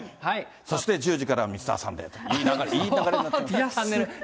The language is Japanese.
そして１０時からミスターサンデーと、いい流れになってる。